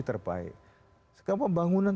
terbaik sekarang pembangunan